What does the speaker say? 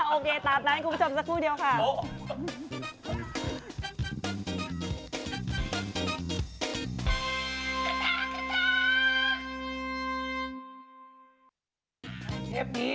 โอเคตามนั้นคุณผู้ชมสักครู่เดียวค่ะ